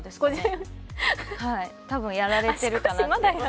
はい、多分、やられてるかなと。